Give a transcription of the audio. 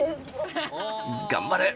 頑張れ！